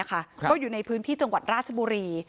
ก็อยู่ในพื้นที่จังหวัดราชบุรี